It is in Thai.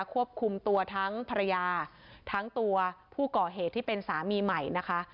ควบคุมตัวทั้งภรรยาทั้งตัวผู้ก่อเหตุที่เป็นสามีใหม่นะคะ